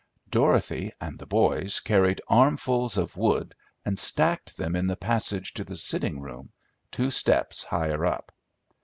Dorothy and the boys carried armfuls of wood and stacked them in the passage to the sitting room, two steps higher up.